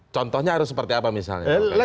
contohnya harus seperti apa misalnya